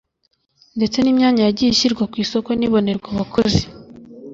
ndetse n imyanya yagiye ishyirwa ku isoko ntibonerwe abakozi